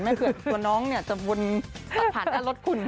ไม่เผื่อตัวน้องเนี่ยจะวนผ่านรถคุณ